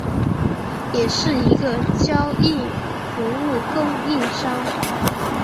也是一个交易服务供应商。